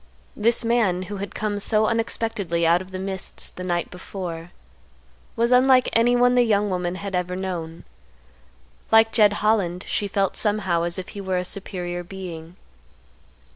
This man, who had come so unexpectedly out of the mists the night before, was unlike anyone the young woman had ever known. Like Jed Holland, she felt somehow as if he were a superior being.